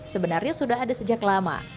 sebenarnya sudah ada sejak lama